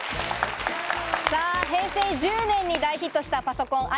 平成１０年に大ヒットしたパソコンｉＭａｃ。